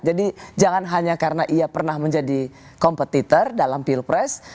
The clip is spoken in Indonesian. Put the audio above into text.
jadi jangan hanya karena ia pernah menjadi kompetitor dalam pilpres